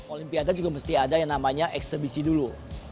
olimpiade juga mesti ada yang namanya eksebisi dulu